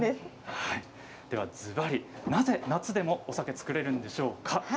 ずばりなぜ夏でもお酒を造れるんでしょうか。